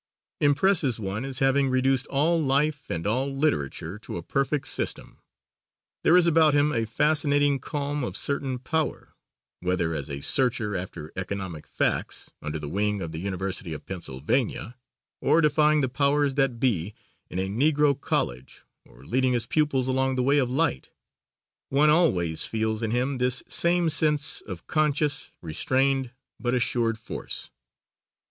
impresses one as having reduced all life and all literature to a perfect system. There is about him a fascinating calm of certain power, whether as a searcher after economic facts, under the wing of the University of Pennsylvania, or defying the "powers that be" in a Negro college or leading his pupils along the way of light, one always feels in him this same sense of conscious, restrained, but assured force.